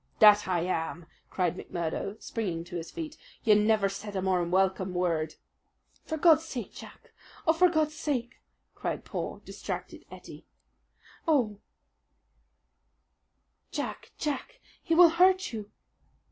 "That I am!" cried McMurdo, springing to his feet. "You never said a more welcome word." "For God's sake, Jack! Oh, for God's sake!" cried poor, distracted Ettie. "Oh, Jack, Jack, he will hurt you!"